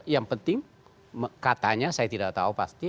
yang penting katanya saya tidak tahu pasti